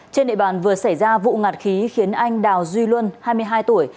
trên địa bàn vừa xảy ra vụ ngạt khí khiến anh đào duy luân hai mươi hai tuổi